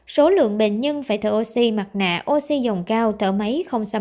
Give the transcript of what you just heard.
số lượng bệnh nhân phải thở oxy mặt nạ oxy dòng cao thở máy